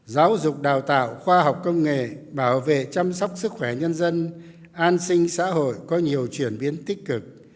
giáo dục đào tạo khoa học công nghệ bảo vệ chăm sóc sức khỏe nhân dân an sinh xã hội có nhiều chuyển biến tích cực